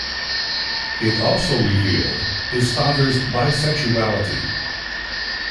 It also revealed his father's bisexuality.